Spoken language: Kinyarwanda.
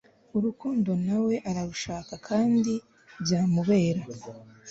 Urukundo nawe ararushaka kandi byamubera